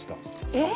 えっ？